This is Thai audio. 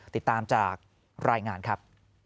ติดตามจากรายงานครับ